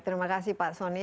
terima kasih pak soni